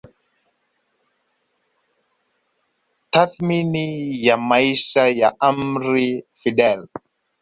Tathmini ya maisha ya amir Fidel